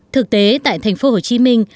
thực tế tại thành phố hồ chí minh